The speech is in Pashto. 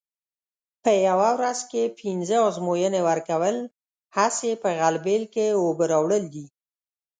په یوه ورځ کې پینځه ازموینې ورکول هسې په غلبېل کې اوبه راوړل دي.